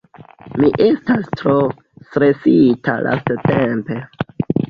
Mi estas tro stresita lastatempe